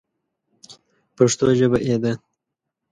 پښتو ژبه یې ده.